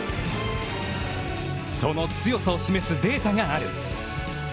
その強さを示すデータがある。